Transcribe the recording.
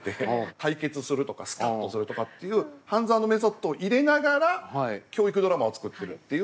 対決するとかスカッとするとかっていう「半沢」のメソッドを入れながら教育ドラマを作ってるっていう。